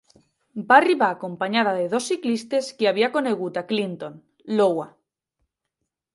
Va arribar acompanyada de dos ciclistes que havia conegut a Clinton, Iowa.